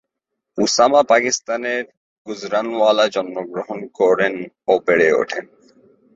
Osama পাকিস্তানের গুজরানওয়ালায় জন্মগ্রহণ করেন ও বেড়ে ওঠেন।